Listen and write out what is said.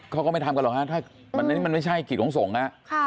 คนนี้ไม่ใช่กิจหลงส่งนะ